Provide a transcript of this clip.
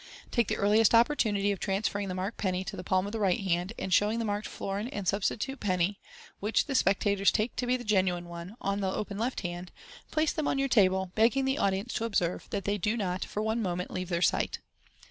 Take the earliest opportunity of transferring the marked penny to the palm of the right hand, and showing the marked florin and the substitute penny (which the spectators take to be the genuine one) on the open left hand, place them on your table, begging the audience to observe that they do not for one moment leave their sight.